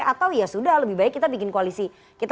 atau ya sudah lebih baik kita bikin koalisi kita